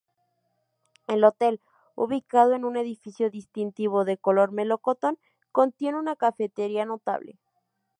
El hotel, ubicado en un edificio distintivo de color melocotón contiene una cafetería notable.